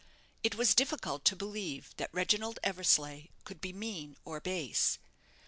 It was difficult to believe that Reginald Eversleigh could be mean or base.